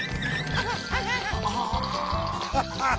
アハハハ！